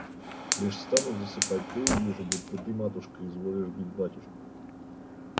Лишь стану засыпать, то и вижу, будто ты, матушка, изволишь бить батюшку.